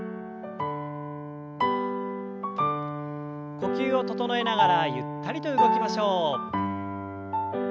呼吸を整えながらゆったりと動きましょう。